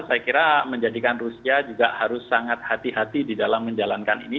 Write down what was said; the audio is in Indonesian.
saya kira menjadikan rusia juga harus sangat hati hati di dalam menjalankan ini